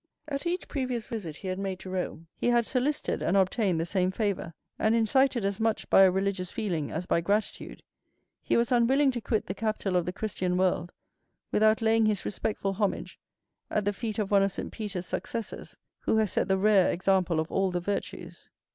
At each previous visit he had made to Rome, he had solicited and obtained the same favor; and incited as much by a religious feeling as by gratitude, he was unwilling to quit the capital of the Christian world without laying his respectful homage at the feet of one of St. Peter's successors who has set the rare example of all the virtues.